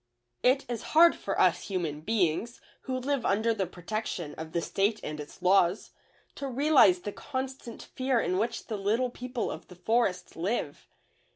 It is hard for us human beings, who live under the protection of the State and its laws, to realize the constant fear in which the Little People of the Forest live.